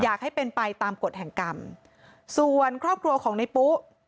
อยากให้เป็นไปตามกฎแห่งกรรมส่วนครอบครัวของในปุ๊